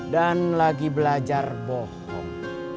dan lagi belajar bohong